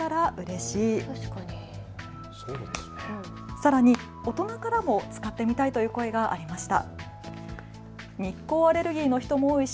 さらに大人からも使ってみたいという声がありました。